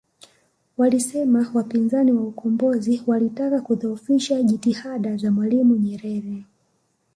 Walisema wapinzani wa ukombozi walitaka kudhoofisha jitihada za Mwalimu Nyerere